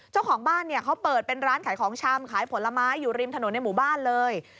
เจ้าของบ้านเนี่ยเขาเปิดเป็นร้านขายของชำขายผลไม้อยู่ริมถนนในหมู่บ้านเลย